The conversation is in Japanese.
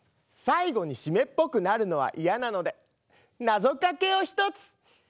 最後に湿っぽくなるのは嫌なのでなぞかけを一つ。